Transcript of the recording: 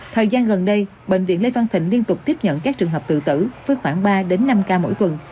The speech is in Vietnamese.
thời gian gần đây bệnh viện lê văn thịnh liên tục tiếp nhận các trường hợp tự tử với khoảng ba năm ca mỗi tuần